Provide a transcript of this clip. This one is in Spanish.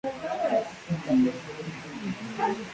Es presentadora del programa de variedades "After School Club".